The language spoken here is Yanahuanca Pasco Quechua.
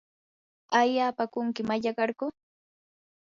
¿aayapaakunki mallaqarku?